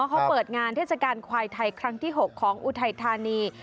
เขาเปิดงานเทศกาลควายไทยครั้งที่๖ของอุทัยธานี